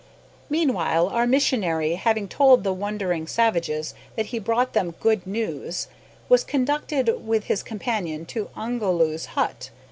Meanwhile our missionary, having told the wondering savages that he brought them good news, was conducted with his companion to Ongoloo's hut.